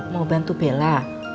mau bantu bella